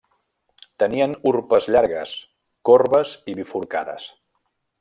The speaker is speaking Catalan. Tenien urpes llargues, corbes i bifurcades.